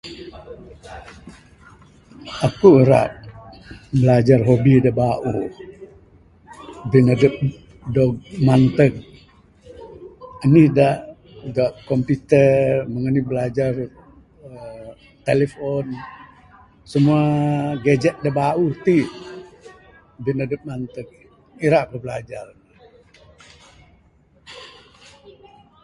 Aku'k ira bilajar hobi da bauh. Bin adup dog mantug. Anih da, da komputer, mung anih bilajar aa.. talifon. Semua gadget da bauh ti'k, bin adup manteg. Ira ku'k bilajar ne.